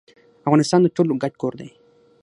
افغانستان د ټولو ګډ کور دی